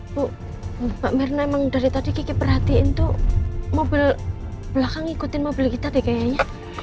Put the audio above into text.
bu pak mirna emang dari tadi kiki perhatiin tuh mobil belakang ngikutin mobil kita deh kayaknya